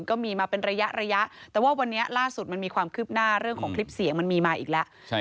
ก็มีมาเป็นระยะระยะแต่ว่าวันนี้ล่าสุดมันมีความคืบหน้าเรื่องของคลิปเสียงมันมีมาอีกแล้ว